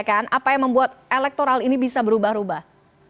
apa yang membuat elektoral ini bisa berubah ubah